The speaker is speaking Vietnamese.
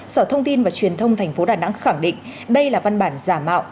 sở thông tin và truyền thông tp đà nẵng khẳng định đây là văn bản giả mạo